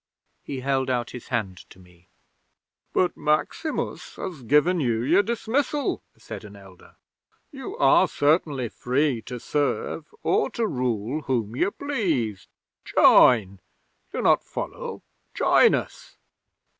He held out his hand to me. '"But Maximus has given you your dismissal," said an elder. "You are certainly free to serve or to rule whom you please. Join do not follow join us!"